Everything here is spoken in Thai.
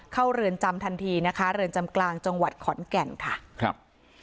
เรือนจำทันทีนะคะเรือนจำกลางจังหวัดขอนแก่นค่ะครับ